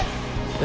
え？